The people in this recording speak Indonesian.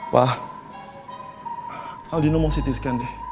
pak al dino mau ct scan deh